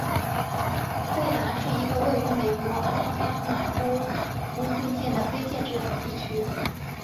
贝达是一个位于美国阿拉巴马州卡温顿县的非建制地区。